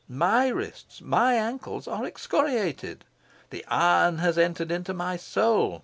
MY wrists, MY ankles, are excoriated. The iron has entered into my soul.